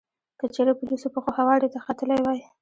که چېرې په لوڅو پښو هوارې ته ختلی وای.